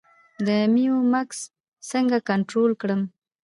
د میوو مګس څنګه کنټرول کړم؟